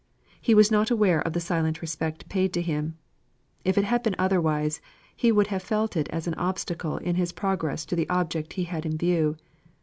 He was not aware of the silent respect paid to him. If it had been otherwise, he would have felt it as an obstacle in his progress to the object he had in view.